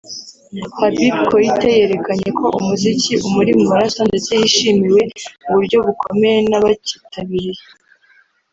Habib Koité yerekanye ko umuziki umuri mu maraso ndetse yishimiwe mu buryo bukomeye n’abacyitabiriye